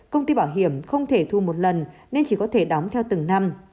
công ty bảo hiểm không thể thu một lần nên chỉ có thể đóng theo từng năm